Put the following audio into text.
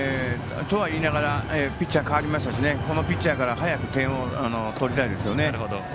ピッチャー代わりましたのでこのピッチャーから早く点を取りたいですよね。